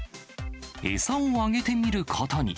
餌をあげてみることに。